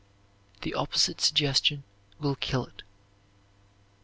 The opposite suggestion will kill it.